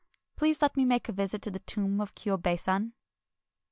Please let me make a visit to the tomb of Kyiibei San."